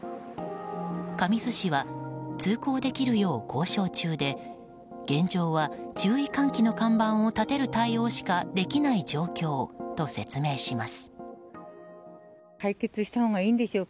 神栖市は通行できるよう交渉中で現状は注意喚起の看板を立てる対応しかできない状況と説明します。